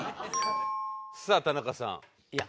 さあ田中さん。いや。